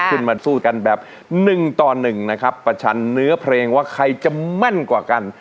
ขึ้นมาสู้กันแบบ๑ต่อ๑นะครับประชันเนื้อเพลงว่าใครจะแม่นกว่ากัน